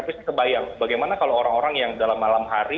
tapi saya kebayang bagaimana kalau orang orang yang dalam malam hari